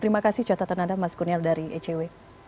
terima kasih catatan anda mas kurnia dari ecw